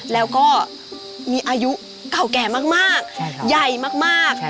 แล้วก็มีอายุเก่าแก่มากใหญ่มาก